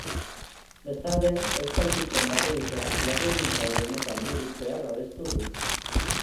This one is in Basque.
Bestalde, euskal kutxen bat-egitea legegintzaldi honetan burutzea babestu du.